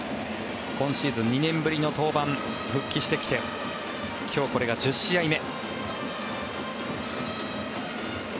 今シーズン２年ぶりの登板復帰してきて今日これが１０試合目。